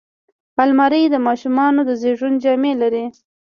الماري د ماشوم د زیږون جامې لري